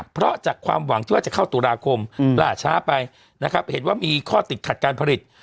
เพราะจากความหวังที่ว่าจะเข้าตุลาคมล่าช้าไปนะครับเห็นว่ามีข้อติดขัดการผลิต